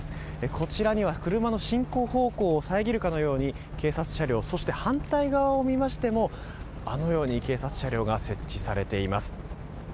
こちらには車の進行方向を遮るかのように警察車両そして反対側を見ましてもあのように警察車両が設置されています。